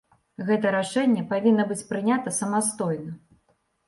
Гэта рашэнне павінна быць прынята самастойна.